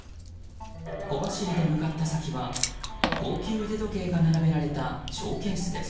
小走りで向かった先は高級腕時計が並べられたショーケースです。